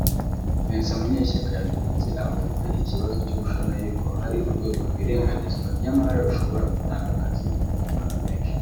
Vincent Munyeshyaka yeretse abafite ikibazo cy’ubushomeri ko hari urwego rwirengangizwa nyamara rushobora gutanga akazi ku bantu benshi